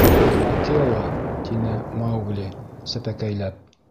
Акела! — тине Маугли, сәпәкәйләп.